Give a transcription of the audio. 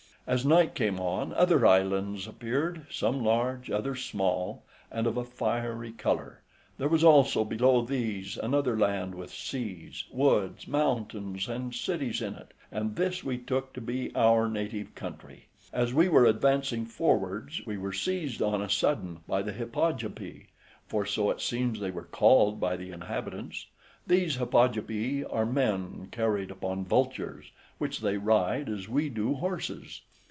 As night came on other islands appeared, some large, others small, and of a fiery colour; there was also below these another land with seas, woods, mountains, and cities in it, and this we took to be our native country: as we were advancing forwards, we were seized on a sudden by the Hippogypi, {82a} for so it seems they were called by the inhabitants; these Hippogypi are men carried upon vultures, which they ride as we do horses.